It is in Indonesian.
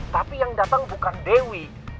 tapi yang datang bukan dewi